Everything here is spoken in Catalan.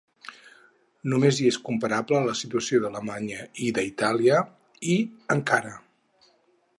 Només hi és comparable la situació d’Alemanya i d’Itàlia, i encara.